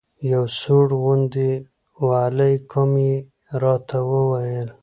یو سوړ غوندې وعلیکم یې راته وویل.